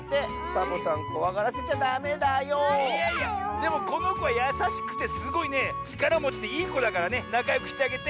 でもこのこはやさしくてすごいねちからもちでいいこだからねなかよくしてあげて。